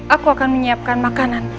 aku akan menyiapkan makanan